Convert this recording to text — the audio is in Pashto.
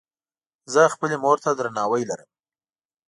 زۀ خپلې مور ته درناوی لرم.